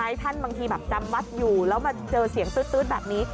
ท่านบางทีแบบจำวัดอยู่แล้วมาเจอเสียงตื๊ดแบบนี้